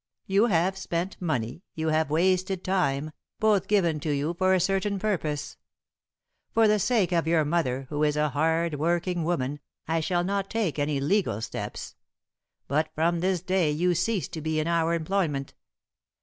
You have spent money, you have wasted time, both given to you for a certain purpose. For the sake of your mother, who is a hard working woman, I shall not take any legal steps. But from this day you cease to be in our employment.